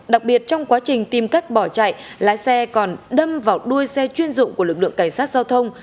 đặc biệt trong quá trình tìm cách bỏ chạy lái xe còn đâm vào đuôi xe chuyên dụng của lực lượng cảnh sát giao thông